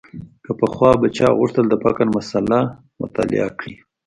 که پخوا به چا غوښتل د فقر مسأله مطالعه کړي.